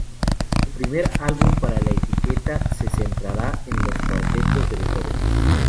Su primer álbum para la etiqueta se centrará en los cuartetos de Beethoven.